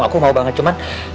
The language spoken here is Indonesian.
aku mau banget cuman